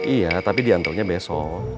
iya tapi diantoknya besok